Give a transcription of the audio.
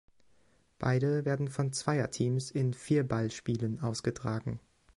Beide werden von Zweierteams in Vier-Ball-Spielen ausgetragen.